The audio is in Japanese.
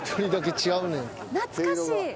懐かしい。